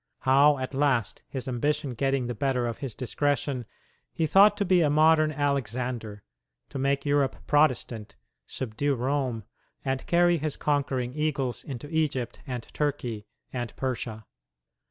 How, at last, his ambition getting the better of his discretion, he thought to be a modern Alexander, to make Europe Protestant, subdue Rome, and carry his conquering eagles into Egypt and Turkey and Persia.